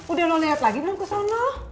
udah lu liat lagi belum kesono